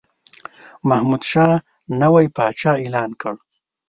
محمودشاه نوی پاچا اعلان کړ.